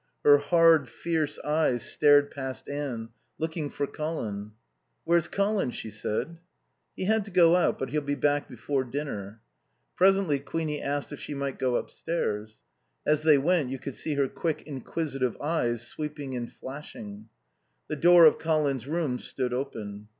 Her hard, fierce eyes stared past Anne, looking for Colin. "Where's Colin?" she said. "He had to go out, but he'll be back before dinner." Presently Queenie asked if she might go upstairs. As they went you could see her quick, inquisitive eyes sweeping and flashing. The door of Colin's room stood open.